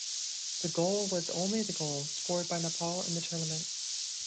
The goal was only the goal scored by Nepal in the tournament.